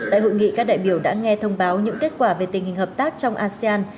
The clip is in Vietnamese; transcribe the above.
tại hội nghị các đại biểu đã nghe thông báo những kết quả về tình hình hợp tác trong asean